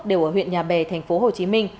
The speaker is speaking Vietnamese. đều ở huyện nhà bè tp hcm